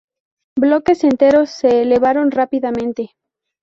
Bloques enteros se elevaron rápidamente.